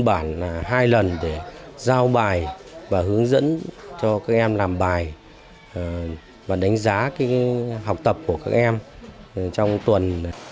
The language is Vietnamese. bản là hai lần để giao bài và hướng dẫn cho các em làm bài và đánh giá học tập của các em trong tuần